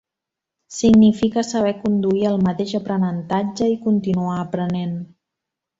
Significa saber conduir el mateix aprenentatge i continuar aprenent.